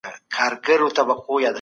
په دې ډول کي اخلاقي دنده مهمه ده.